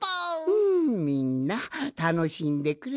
うんみんなたのしんでくれたかの？はい！